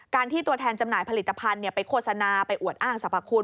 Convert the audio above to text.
ที่ตัวแทนจำหน่ายผลิตภัณฑ์ไปโฆษณาไปอวดอ้างสรรพคุณ